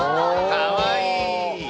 かわいい。